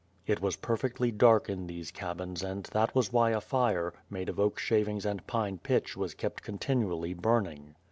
It was perfectly dark in these cabins and that was why a fire, made of oak shavings and pitch pine was kept continually burning.